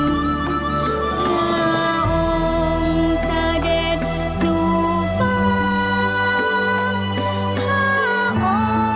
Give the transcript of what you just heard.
ข้าองเฉฎสู้ฟ้า